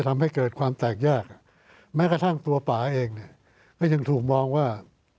แม้กระทั่งตัวป๋าเองก็ยังถูกมองว่า